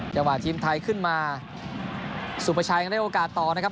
จังหวะทีมไทยขึ้นมาสุภาชัยยังได้โอกาสต่อนะครับ